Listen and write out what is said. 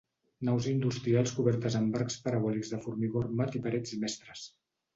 Naus industrials cobertes amb arcs parabòlics de formigó armat i parets mestres.